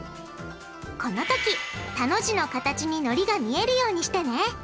このとき「田」の字の形にのりが見えるようにしてね。